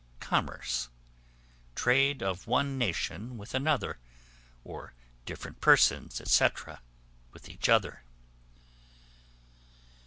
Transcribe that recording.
Commerce, trade of one nation with another, or different persons, &c. with each other.